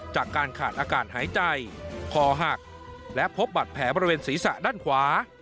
จากการขาดอากาศหายใจคอหักและพบบัตรแผลบริเวณศีรษะด้านขวา